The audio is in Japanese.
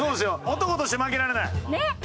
男として負けられない。